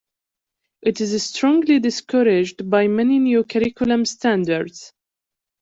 It is strongly discouraged by many new curriculum standards.